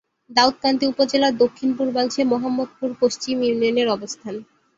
দাউদকান্দি উপজেলার দক্ষিণ-পূর্বাংশে মোহাম্মদপুর পশ্চিম ইউনিয়নের অবস্থান।